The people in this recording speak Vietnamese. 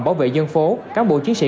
bảo vệ dân phố cán bộ chiến sĩ